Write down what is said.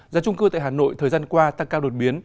giá trung cư tại hà nội thời gian qua tăng cao đột biến